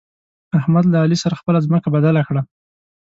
احمد له علي سره خپله ځمکه بدله کړه.